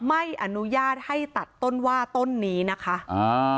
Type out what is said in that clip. ไม่อนุญาตให้ตัดต้นว่าต้นนี้นะคะอ่า